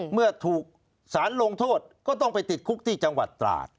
เมื่อถูกสารลงโทษก็ต้องไปติดคุกที่จังหวัดตราด